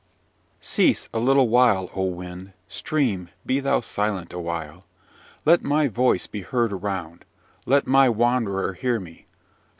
"Cease a little while, O wind! stream, be thou silent awhile! let my voice be heard around! let my wanderer hear me!